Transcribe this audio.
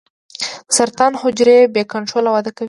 د سرطان حجرو بې کنټروله وده کوي.